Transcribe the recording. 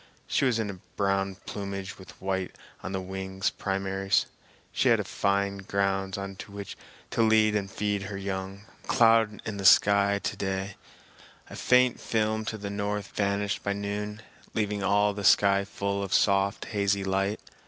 She was in brown plumage with white on the wing primaries. She had fine grounds on which to lead and feed her young. Not a cloud in the sky to day; a faint film to the north vanished by noon, leaving all the sky full of soft, hazy light.